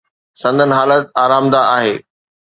سندن حالت آرامده آهي.